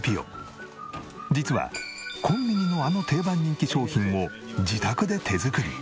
実はコンビニのあの定番人気商品を自宅で手作り。